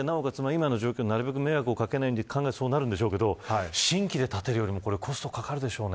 今の状況になるべく迷惑をかけないようにすると、そうなるでしょうけど新規で建てるよりコストかかるでしょうね。